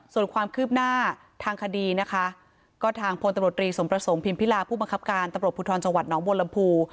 ส่วนความคืบหน้าทางคดีนะคะก็ทางพลตบริสมประสงค์พิมพิลาผู้บังคับการตบรพุทธรจังหวัดน้องโบรมภู